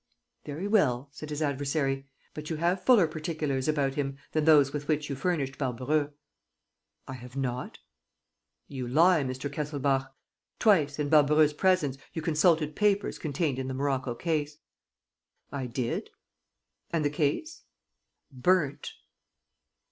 "Very well," said his adversary, "but you have fuller particulars about him than those with which you furnished Barbareux." "I have not." "You lie, Mr. Kesselbach. Twice, in Barbareux's presence, you consulted papers contained in the morocco case." "I did." "And the case?" "Burnt."